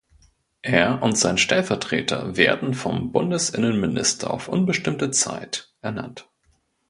Er und sein Stellvertreter werden vom Bundesinnenminister auf unbestimmte Zeit ernannt.